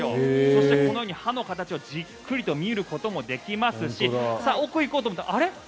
そしてこのように歯の形をじっくり見ることもできますし奥に行こうと思ったらあれ？